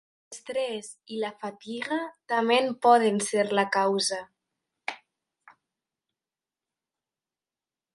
L'estrès i la fatiga també en poder ser la causa.